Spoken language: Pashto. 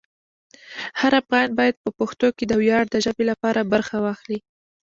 هر افغان باید په پښتو کې د ویاړ د ژبې لپاره برخه واخلي.